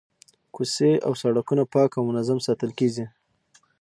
کوڅې او سړکونه پاک او منظم ساتل کیږي.